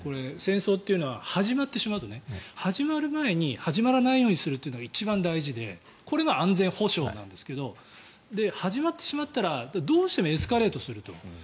戦争というのは始まってしまうとね始まる前に始まらないようにするのが一番大事でこれが安全保障なんですけど始まってしまったらどうしてもエスカレートすると。